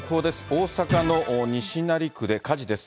大阪の西成区で火事です。